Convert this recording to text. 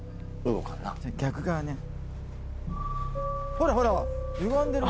ほらほら！